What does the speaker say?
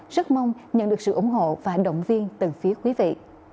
rất mong nhận được sự ủng hộ và động viên từ phía quý vị